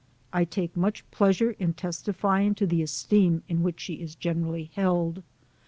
I take much pleasure in testifying to the esteem in which she is generally held.